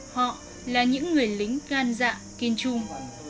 họ là những người lính gan dạ kiên trung